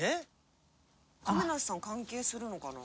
亀梨さん関係するのかな？